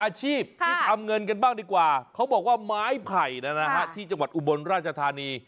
อาชีพที่ทำเงินกันบ้างดีกว่าเขาบอกว่าไม้ไผ่ที่จังหวัดอุบลราชธานี